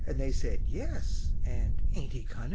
They said, "Yes," and, "Ain't he cunnin'?"